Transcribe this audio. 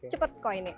cepat kok ini